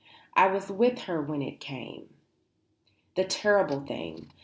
I was with her when it came; the terrible thing.